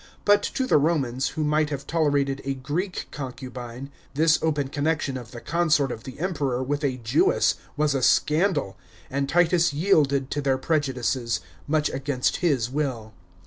But to the Romans, who might have tolerated a Greek concubine, this open connection of the consort of the Emperor wiih a Jewess was a scandal, and Titus yielded to their prejudices, much against his will.